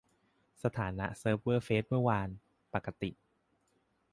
สถานะเซิร์ฟเวอร์เฟซเมื่อวาน : ปกติ